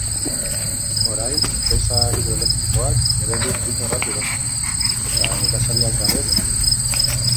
Orain, enpresa hidroelektrikoak ere lur pila bat erosi ditu, eta nekazariak gabe geratu dira.